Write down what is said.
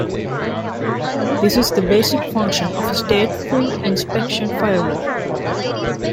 This is the basic function of a stateful inspection firewall.